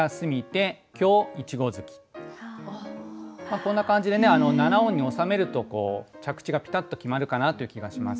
こんな感じでね七音に収めると着地がピタッと決まるかなという気がします。